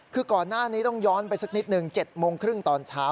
คือก่อนหน้านี้ต้องย้อนไปสักนิดหนึ่ง๗โมงครึ่งตอนเช้า